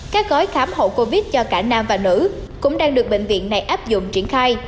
các gói khám hậu covid cho cả nam và nữ cũng đang được bệnh viện này áp dụng triển khai